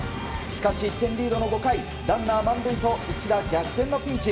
しかし１点リードの５回ランナー満塁と一打逆転のピンチ。